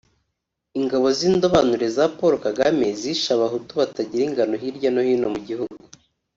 Ingabo z’indobanure za Paul Kagame zishe abahutu batagira ingano hirya no hino mu gihugu